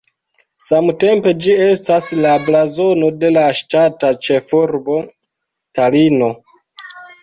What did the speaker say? Samtempe ĝi estas la blazono de la ŝtata ĉefurbo Talino.